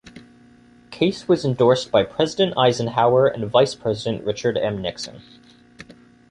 Case was endorsed by President Eisenhower and Vice President Richard M. Nixon.